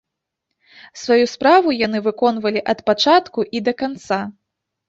Сваю справу яны выконвалі ад пачатку і да канца.